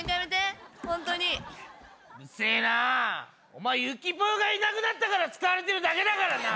お前ゆきぽよがいなくなったから使われてるだけだからな！